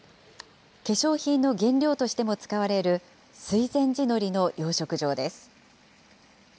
化粧品の原料としても使われる水前寺のりの養殖場です。